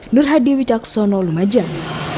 nur hadi wicaksono lumajan